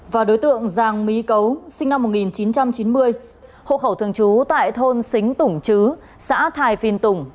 và đối tượng giàng mí cấu sinh năm một nghìn chín trăm chín mươi hộ khẩu thường trú tại thôn xính tủng chứ xã thái phìn tùng